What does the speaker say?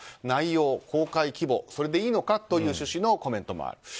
内容、公開規模それでいいのかという趣旨のコメントもある。